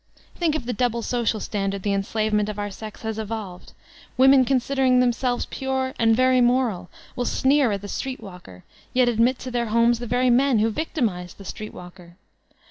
Think of the double social standard the enslavement of our sex has evolved. Women considering themselves very pure and very moral, will sneer at the street walker, yet admit to their homes the very men who victimiKd the street walker.